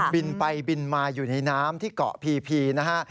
บินไปบินมาอยู่ในน้ำที่เกาะพีพีนะฮะ